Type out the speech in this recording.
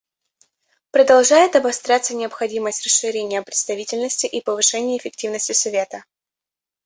Продолжает обостряться необходимость расширения представительности и повышения эффективности Совета.